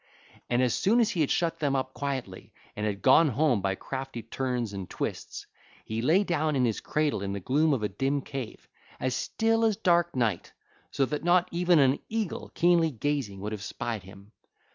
And as soon as he had shut them up quietly, and had gone home by crafty turns and twists, he lay down in his cradle in the gloom of a dim cave, as still as dark night, so that not even an eagle keenly gazing would have spied him.